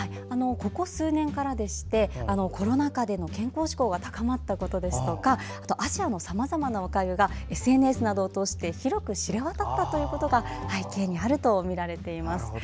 ここ数年からでしてコロナ禍で健康志向が高まったことですとかアジアの、さまざまなおかゆがＳＮＳを通して広く知れ渡ったということが背景にあるとみられています。